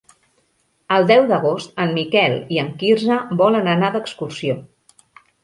El deu d'agost en Miquel i en Quirze volen anar d'excursió.